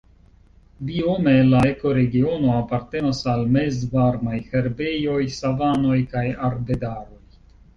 Biome la ekoregiono apartenas al mezvarmaj herbejoj, savanoj kaj arbedaroj.